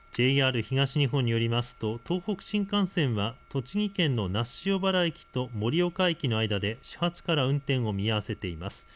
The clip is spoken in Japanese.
ＪＲ東日本によりますと東北新幹線は栃木県の那須塩原駅と盛岡駅の間で始発から運転を見合わせています。